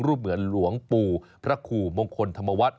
รูปเหมือนหลวงปู่พระครูมงคลธรรมวัติ